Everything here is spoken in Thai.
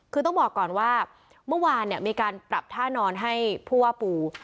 คือต้องบอกก่อนว่าเมื่อวานมีการปรับท่านอนให้ผู้ว่าปู